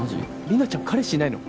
リナちゃん彼氏いないの？